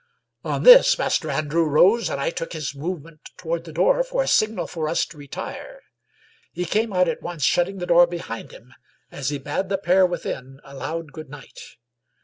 On this Master Andrew rose, and I took his movement toward the door for a signal for us to retire. He came out at once, shutting the door behind him as he bade the pair within a loud good night.